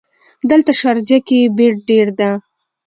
دلته شارجه ګې بیړ ډېر ده.